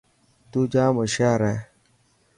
تون ڄام هوشيار هي.